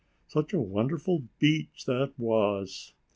Such a wonderful beach that was!